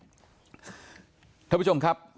ท่านผู้ชมครับ